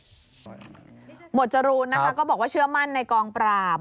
หวดจรูนนะคะก็บอกว่าเชื่อมั่นในกองปราบ